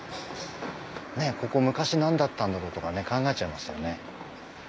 ここ昔何だったんだろうとか考えちゃいますよね。